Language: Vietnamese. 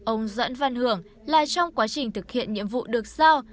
ông doãn văn hưởng là trong quá trình thực hiện nhiệm vụ được sao